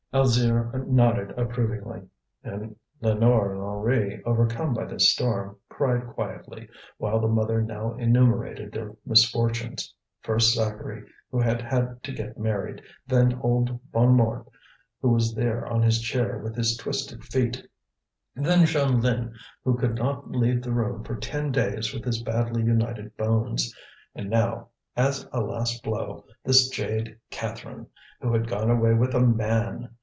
Alzire nodded approvingly. Lénore and Henri, overcome by this storm, cried quietly, while the mother now enumerated their misfortunes: first Zacharie who had had to get married; then old Bonnemort who was there on his chair with his twisted feet; then Jeanlin who could not leave the room for ten days with his badly united bones; and now, as a last blow, this jade Catherine, who had gone away with a man!